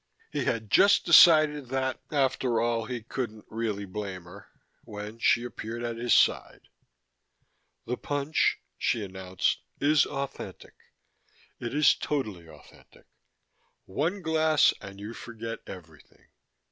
He had just decided that, after all, he couldn't really blame her, when she appeared at his side. "The punch," she announced, "is authentic. It is totally authentic. One glass and you forget everything.